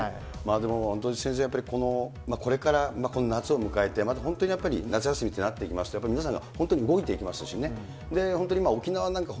でも本当に先生、これからこの夏を迎えてまた本当にやっぱり、夏休みとなっていきますと、やっぱり皆さん、動いていきますしね、本当に沖縄なんか